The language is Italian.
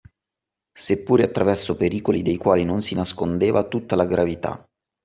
Seppure attraverso pericoli dei quali non si nascondeva tutta la gravità